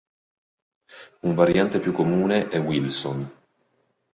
Un variante più comune è "Wilson".